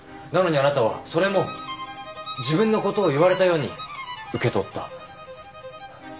なのにあなたはそれも自分のことを言われたように受け取った。